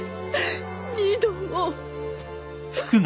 二度も。